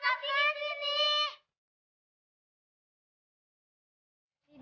satu lagi di sini